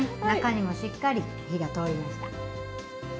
中にもしっかり火が通りました。